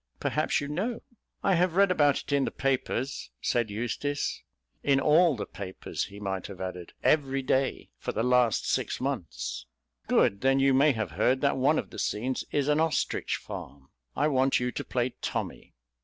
Perhaps you know?" "I have read about it in the papers," said Eustace. In all the papers (he might have added) every day, for the last six months. "Good. Then you may have heard that one of the scenes is an ostrich farm. I want you to play 'Tommy.'"